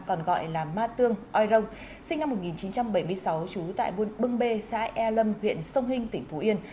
còn gọi là ma tương oi rông sinh năm một nghìn chín trăm bảy mươi sáu trú tại buôn bưng bê xã e lâm huyện sông hinh tỉnh phú yên